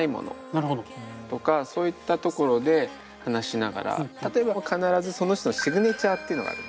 なるほど。とかそういったところで話しながら例えば必ずその人のシグネチャーっていうのがある。